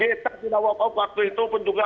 kita tidak woke up waktu itu pun juga